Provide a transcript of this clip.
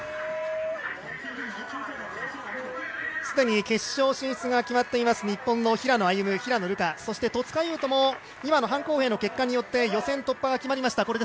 既に決勝進出が決まっています、日本の平野歩夢、平野流佳、そして戸塚優斗も今の范校兵の結果によって予選突破が決まりました